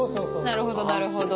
なるほどなるほど。